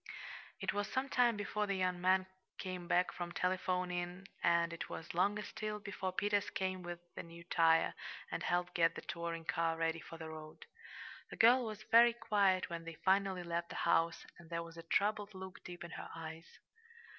It was some time before the young man came back from telephoning, and it was longer still before Peters came with the new tire, and helped get the touring car ready for the road. The girl was very quiet when they finally left the house, and there was a troubled look deep in her eyes.